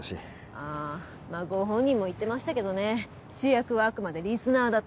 ああまあご本人も言ってましたけどね主役はあくまでリスナーだって。